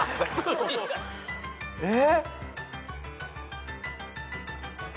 えっ！？